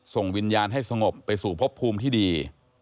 ส่งวิญญาณให้สงบไปสู่พบภูมิที่ดี